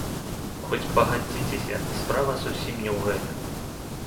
Хоць, пагадзіцеся, справа зусім не ў гэтым.